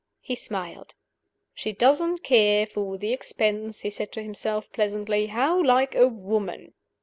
He smiled. "She doesn't care for the expense," he said to himself, pleasantly. "How like a woman!"